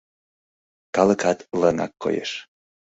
Калыкат лыҥак коеш.